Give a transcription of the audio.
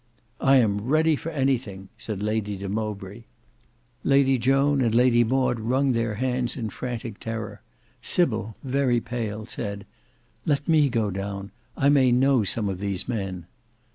"I am ready for anything." said Lady de Mowbray. Lady Joan and Lady Maud wrung their hands in frantic terror. Sybil very pale said "Let me go down; I may know some of these men."